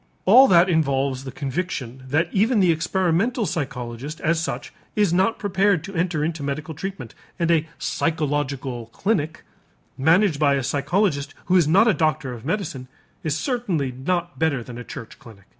All that involves the conviction that even the experimental psychologist as such is not prepared to enter into medical treatment; and a "Psychological Clinic," managed by a psychologist who is not a doctor of medicine, is certainly not better than a church clinic.